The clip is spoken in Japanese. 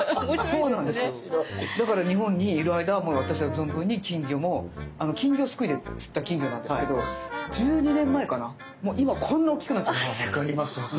だから日本にいる間はもう私は存分に金魚も金魚すくいで釣った金魚なんですけど１２年前かな今こんな大きくなっちゃったのね。